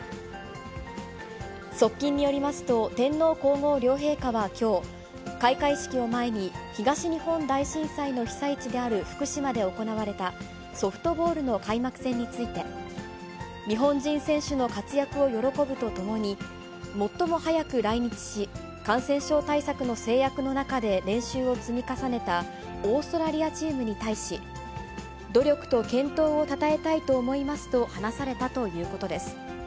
側近によりますと、天皇皇后両陛下はきょう、開会式を前に東日本大震災の被災地である福島で行われた、ソフトボールの開幕戦について、日本人選手の活躍を喜ぶとともに、最も早く来日し、感染症対策の制約の中で練習を積み重ねたオーストラリアチームに対し、努力と健闘をたたえたいと思いますと話されたということです。